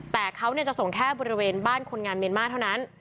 แต่เขาจะส่งแค่บริเวณบ้านคนงานเมียนมาร์เท่านั้น